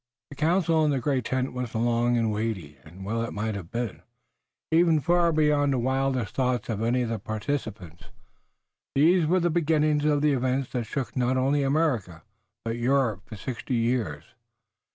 The council in the great tent was long and weighty, and well it might have been, even far beyond the wildest thoughts of any of the participants. These were the beginnings of events that shook not only America but Europe for sixty years.